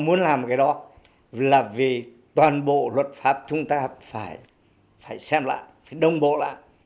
muốn làm một cái đó là vì toàn bộ luật pháp chúng ta phải xem lại phải đồng bộ lại